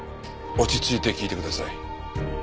落ち着いて聞いてください。